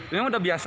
ini udah biasa